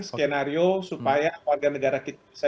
skenario supaya warga negara kita bisa